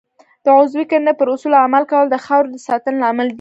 د عضوي کرنې پر اصولو عمل کول د خاورې د ساتنې لامل دی.